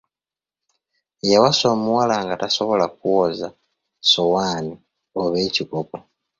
Yawasa omuwala nga tasobola kwoza ssowaanoi oba ekikopo.